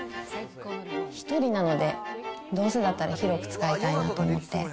１人なので、どうせだったら広く使いたいなと思って。